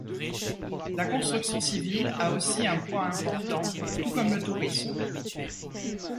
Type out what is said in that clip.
La construction civile a aussi un poids important, tout comme le tourisme.